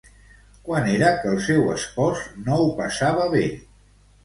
Quan era que el seu espòs no ho passava bé?